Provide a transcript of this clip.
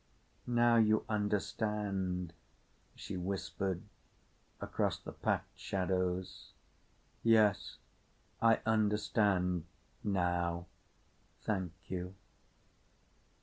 "Now you understand," she whispered, across the packed shadows. "Yes, I understand—now. Thank you."